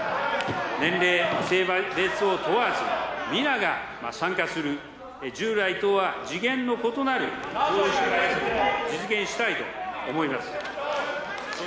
年齢・性別を問わず、皆が参加する従来とは次元の異なる少子化対策を実現したいと思います。